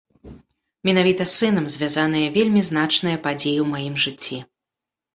Менавіта з сынам звязаныя вельмі значныя падзеі ў маім жыцці.